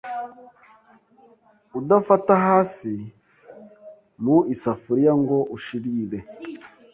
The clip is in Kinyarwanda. udafata hasi mu isafuriya ngo ushirire.